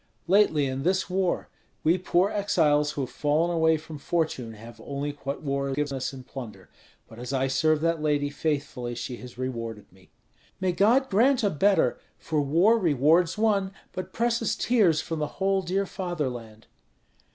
"Lately, in this war. We poor exiles who have fallen away from fortune have only what war gives us in plunder. But as I serve that lady faithfully, she has rewarded me." "May God grant a better; for war rewards one, but presses tears from the whole dear fatherland."